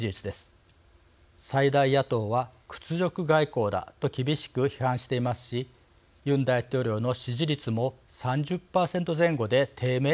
最大野党は屈辱外交だと厳しく批判していますしユン大統領の支持率も３０％前後で低迷しています。